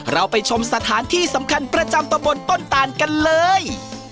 เราไปชมสถานที่สำคัญประจำตะบนต้นตานกันเลย